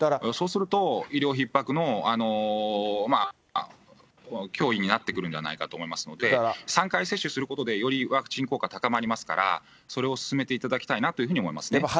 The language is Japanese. そうすると医療ひっ迫の脅威になってくるんではないかなと思いますので、３回接種することで、よりワクチン効果が高まりますから、それを進めていただきたいなというふうに思いますね。